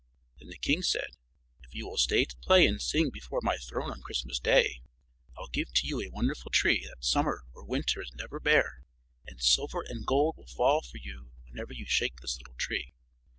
Then the king said, "If you will stay to play and sing before my throne on Christmas day I will give to you a wonderful tree that summer or winter is never bare; and silver and gold will fall for you whenever you shake this little tree."